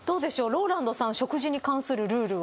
ＲＯＬＡＮＤさん食事に関するルールは。